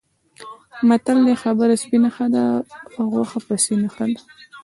متل دی: خبره سپینه ښه ده، غوښه پسینه ښه ده.